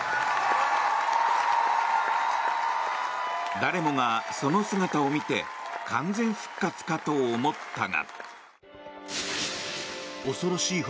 誰もがその姿を見て完全復活かと思ったが。